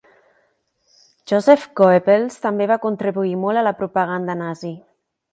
Joseph Goebbels també va contribuir molt a la propaganda nazi.